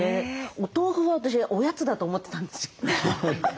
お豆腐は私おやつだと思ってたんですよ。